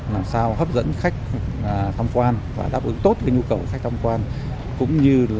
làm sao hấp dẫn khách thăm quan và đáp ứng tốt nhu cầu khách thăm quan